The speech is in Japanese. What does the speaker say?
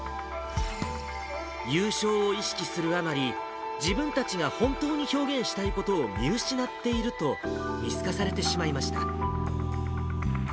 優勝を意識するあまり、自分たちが本当に表現したいことを見失っていると、見透かされてしまいました。